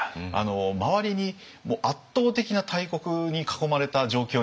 周りに圧倒的な大国に囲まれた状況になってるんです。